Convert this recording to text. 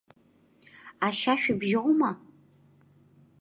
Ашьа шәыбжьоума?